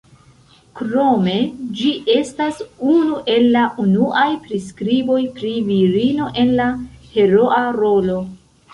Krome ĝi estas unu el la unuaj priskriboj pri virino en la heroa rolo.